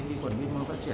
để cho cái vi mô phát triển